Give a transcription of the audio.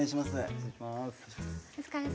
失礼します。